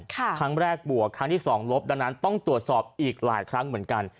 ครั้งแรกบวกครั้งที่สองลบดังนั้นต้องตรวจสอบอีกหลายครั้งเหมือนกัน